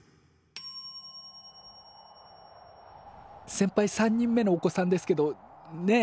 せんぱい３人目のお子さんですけどねえ